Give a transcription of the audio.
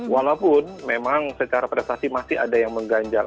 walaupun memang secara prestasi masih ada yang mengganjal